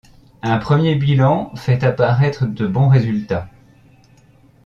Un premier bilan fait apparaître de bons résultats.